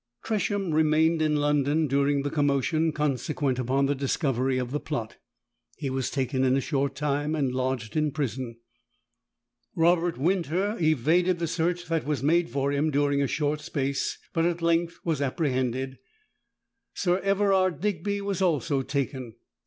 Tresham remained in London during the commotion consequent upon the discovery of the plot. He was taken in a short time and lodged in prison. Robert Winter evaded the search that was made for him during a short space, but at length was apprehended. Sir Everard Digby was also taken.